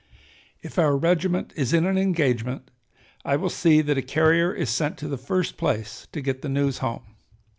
If our regiment is in an engagement, I will see that a carrier is sent to the first place to get the news home.